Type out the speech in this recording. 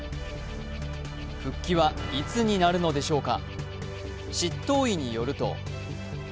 復帰はいつになるのでしょうか。